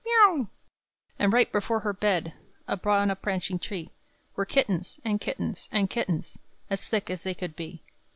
m e o w!_" And right before her bed, Upon a branching tree, Were kittens, and kittens, and kittens, As thick as they could be.